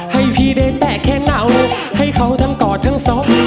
ให้พี่ได้แตะแค่เหงาให้เขาทั้งกอดทั้งศพ